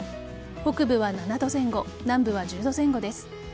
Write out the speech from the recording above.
北部は７度前後南部は１０度前後です。